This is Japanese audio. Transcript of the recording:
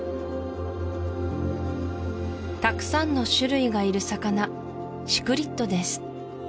たくさんの種類がいる魚シクリッドです